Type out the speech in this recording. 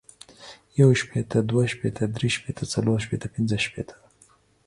يو شپيته ، دوه شپيته ،دري شپیته ، څلور شپيته ، پنځه شپيته،